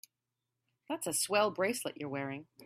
That's a swell bracelet you're wearing.